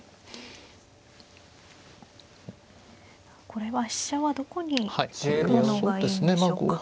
これは飛車はどこに行くのがいいんでしょうか。